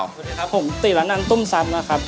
สวัสดีครับผมติระนันตุ้มซ้ำนะครับ